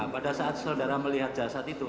pada saat saudara melihat jasad itu